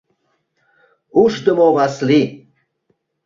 Ушдымо Васлий.